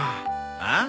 ああ？